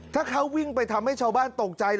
ถ้าเขาวิ่งไปทำให้ชาวบ้านตกใจ